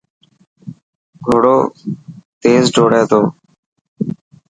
گهوڙو تيل ڊروڙي تو.